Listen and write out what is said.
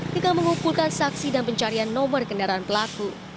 dengan mengumpulkan saksi dan pencarian nomor kendaraan pelaku